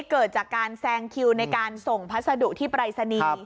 เกิดจากการแซงคิวในการส่งพัสดุที่ปรายศนีย์